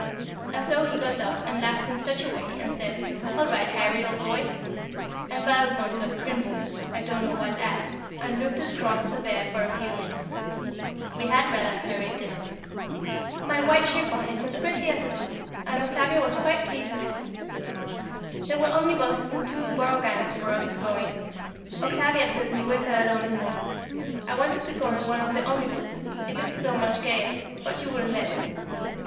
And so he got up, and laughed in such a way, and said, "All right, Harry, old boy," and Valmond got crimson I don't know what at and looked as cross as a bear for a few minutes. We had rather a hurried dinner. [Sidenote: The Duchess's Ball] My white chiffon is as pretty as the tulle, and Octavia was quite pleased with me. There were omnibuses and two broughams for us to go in. Octavia took me with her alone in one. I wanted to go in one of the omnibuses it looked so much gayer but she wouldn't let me.